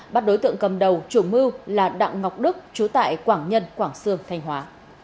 bắt đối tượng cầm đầu chủ mưu là đặng ngọc đức chú tại quảng nhân quảng sương thanh hóa